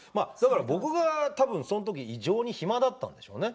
僕がその時、異常に暇だったんでしょうね。